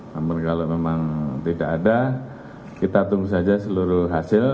namun kalau memang tidak ada kita tunggu saja seluruh hasil